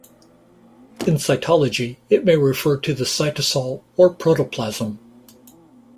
In cytology, it may refer to the cytosol or protoplasm.